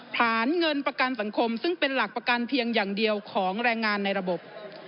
ฐานเงินประกันสังคมซึ่งเป็นหลักประกันเพียงอย่างเดียวของแรงงานในระบบ